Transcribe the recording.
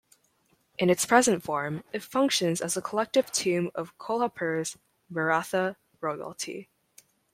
In its present form it functions as a collective tomb of Kolhapur's Maratha royalty.